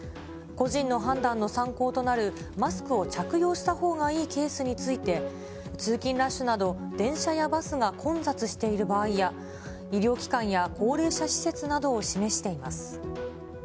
個人の判断の参考となるマスクを着用したほうがいいケースについて、通勤ラッシュなど、電車やバスが混雑している場合や、医療機関や高齢者施設などを示しています。